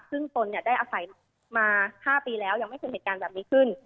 ซึ่งตนเนี่ยได้อาศัยมา๕ปีแล้วยังไม่เป็นเหตุการณ์แบบนี้ขึ้น